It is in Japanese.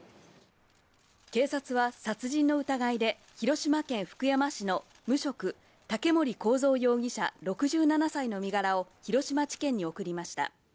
警察は殺人の疑いで広島県福山市の無職、竹森幸三容疑者６７歳の身柄を広島地検に送りました。